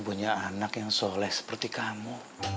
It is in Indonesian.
punya anak yang soleh seperti kamu